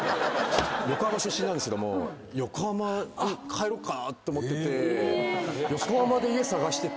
横浜出身なんですけども横浜に帰ろうかなと思ってて横浜で家探してて。